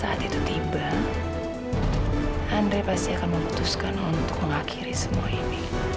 saat itu tiba andre pasti akan memutuskan untuk mengakhiri semua ini